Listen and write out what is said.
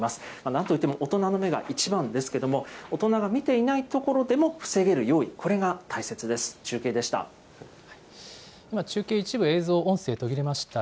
なんといっても、大人の目が一番ですけれども、大人が見ていない所でも防げる用意、これが大切で今、中継、一部映像、音声途切れました。